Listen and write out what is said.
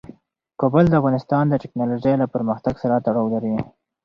کابل د افغانستان د تکنالوژۍ له پرمختګ سره تړاو لري.